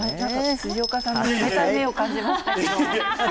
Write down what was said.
辻岡さんの冷たい目を感じまいえいえ。